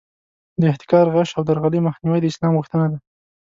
د احتکار، غش او درغلۍ مخنیوی د اسلام غوښتنه ده.